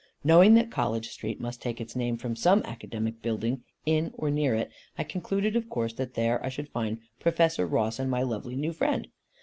Knowing that College Street must take its name from some academic building in or near it, I concluded of course that there I should find Professor Ross and my lovely new friend.